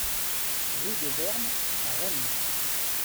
Rue de Vern à Rennes